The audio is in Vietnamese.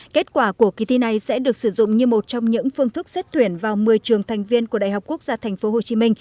kết quả của kỳ thi này sẽ được sử dụng như một trong những phương thức xét tuyển vào một mươi trường thành viên của đại học quốc gia tp hcm